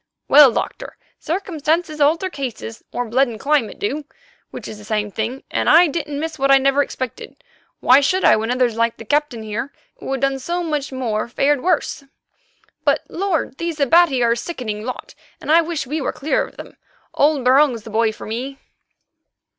Well, Doctor, circumstances alter cases, or blood and climate do, which is the same thing, and I didn't miss what I never expected, why should I when others like the Captain there, who had done so much more, fared worse? But, Lord! these Abati are a sickening lot, and I wish we were clear of them. Old Barung's the boy for me."